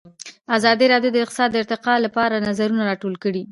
ازادي راډیو د اقتصاد د ارتقا لپاره نظرونه راټول کړي.